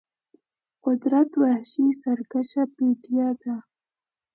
قدرت وحشي سرکشه پدیده ده.